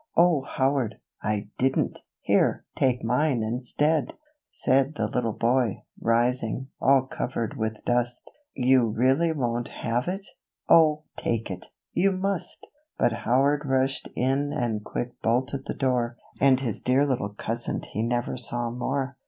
"O, Howard! I didn't! Here, take mine instead," Said the little boy, rising, all covered with dust. "You really won't have it? oh, take it! you must!" But Howard rushed in and quick bolted the door, And his dear little cousin he never saw more.